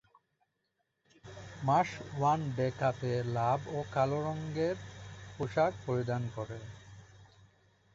Marsh one day কাপে লাভ ও কালো রঙের পোশাক পরিধান করে।